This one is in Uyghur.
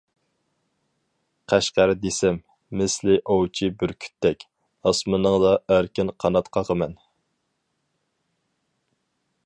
«قەشقەر» دېسەم، مىسلى ئوۋچى بۈركۈتتەك، ئاسمىنىڭدا ئەركىن قانات قاقىمەن.